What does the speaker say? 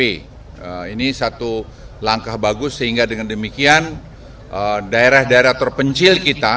ini satu langkah bagus sehingga dengan demikian daerah daerah terpencil kita